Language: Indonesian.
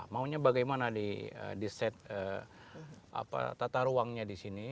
maunya bagaimana di set tata ruangnya di sini